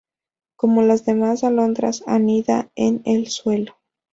Como las demás alondras anida en el suelo.